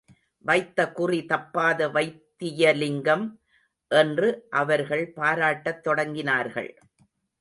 வைத்த குறி தப்பாத வைத்தியலிங்கம் என்று அவர்கள் பாராட்டத் தொடங்கினார்கள்.